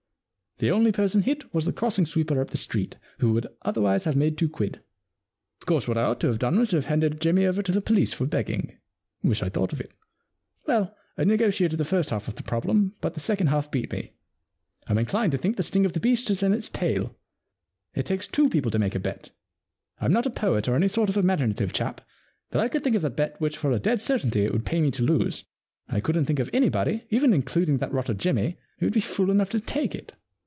The only person hit was the crossing sweeper up the street, who would otherwise have made two quid. Of course, what I ought to have 72 The Win and Lose Problem done was to have handed Jimmy over to the police for begging — wish Fd thought of it. * Well, I negotiated the first half of the problem, but the second half beat me. Fm inclined to think the sting of the beast is in its tail. It takes tvv^o people to make a bet. Fm not a poet or any sort of imaginative chap, but I could think of a bet which for a dead certainty it would pay me to lose. I couldn't think of anybody, even including that rotter Jimmy, who would be fool enough to take it.